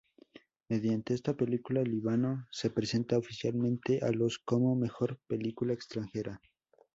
Mediante esta película, Líbano se presenta oficialmente a los como mejor película extranjera.